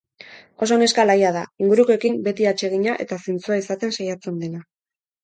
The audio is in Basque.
Oso neska alaia da, ingurukoekin beti atsegina eta zintzoa izaten saiatzen dena.